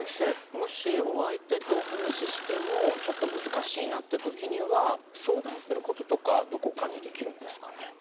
もしお相手とお話ししてもちょっと難しいなって時には相談することとかどこかにできるんですかね？